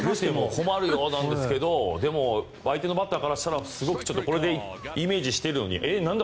困るんですが相手のバッターからしたらすごく、これでイメージしてるのになんだ？